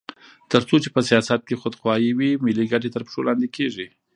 تر څو چې په سیاست کې خودخواهي وي، ملي ګټې تر پښو لاندې کېږي.